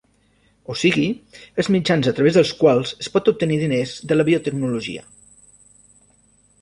O sigui, els mitjans a través dels quals es pot obtenir diners de la biotecnologia.